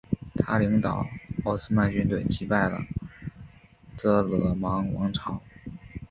他领导奥斯曼军队击败了尕勒莽王朝。